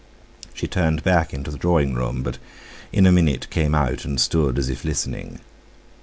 She turned back into the drawing room; but in a minute came out, and stood as if listening.